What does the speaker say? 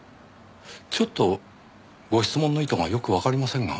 ちょっとご質問の意図がよくわかりませんが。